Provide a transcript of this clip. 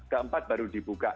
keempat baru dibuka